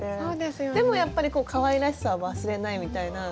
でもやっぱりかわいらしさは忘れないみたいな。